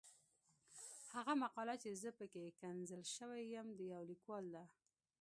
هغه مقاله چې زه پکې ښکنځل شوی یم د يو ليکوال ده.